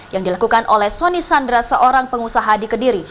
yang dilakukan oleh soni sandra seorang pengusaha di kediri